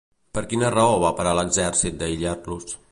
Per quina raó va parar l'exèrcit d'aïllar-los?